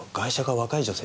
若い女性？